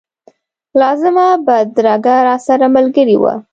لازمه بدرګه راسره ملګرې وه.